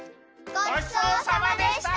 ごちそうさまでした！